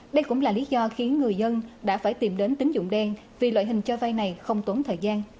đây cũng là lý do khiến người dân đã phải tìm đến tính dụng đen vì loại hình cho vay này không tốn thời gian